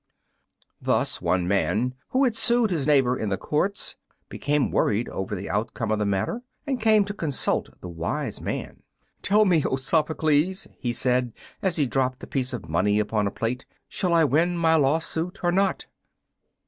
Thus one man, who had sued his neighbor in the courts, became worried over the outcome of the matter and came to consult the wise man. "Tell me, O Sophocles!" he said, as he dropped a piece of money upon a plate, "shall I win my lawsuit or not?"